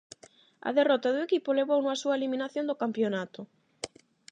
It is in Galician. A derrota do equipo levouno á súa eliminación do campionato.